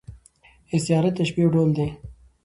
استعاره د تشبیه یو ډول دئ.